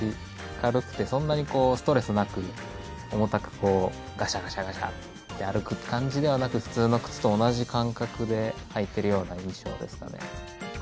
軽くて、そんなにストレスなく重たく、ガシャガシャッて歩く感じではなく普通の靴と同じ感覚で履いているような印象ですかね。